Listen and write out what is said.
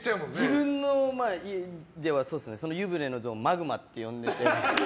自分の家では湯船のことをマグマって呼んでて。